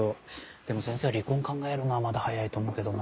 でも先生は離婚考えるのはまだ早いと思うけどな。